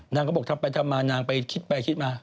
นางก็บอกทำไปทำมานางไปคิดไปคิดมา